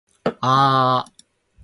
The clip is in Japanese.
aaaa